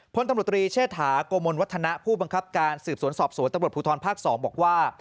พลตำรวจตรีเชษฐาโกมลวัฒนะผู้บังคับการสืบสวนสอบสวนตำรวจภูทรภาค๒บอกว่า